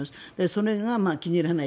それが気に入らない。